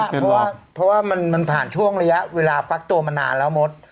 เพราะว่ามันผ่านช่วงระยะเวลาฟักตัวมานานแล้วมด